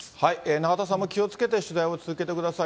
永田さんも気をつけて取材を続けてください。